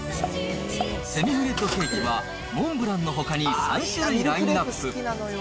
セミフレッドケーキは、モンブランのほかに３種類ラインナップ。